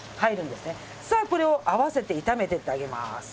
さあこれを合わせて炒めていってあげます。